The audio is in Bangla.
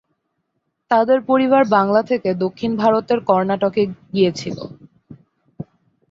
তাদের পরিবার বাংলা থেকে দক্ষিণ ভারতের কর্ণাটকে গিয়েছিল।